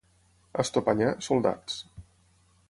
A Estopanyà, soldats.